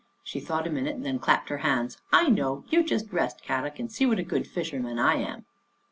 She thought a minute, then clapped her hands. " I know, you just rest, Kadok, and see what a good fisherman I am!"